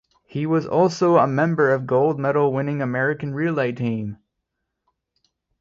He was also a member of gold medal-winning American relay team.